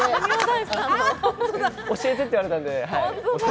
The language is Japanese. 教えてって言われたんで。